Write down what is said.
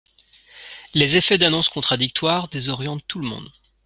Les effets d’annonces contradictoires désorientent tout le monde.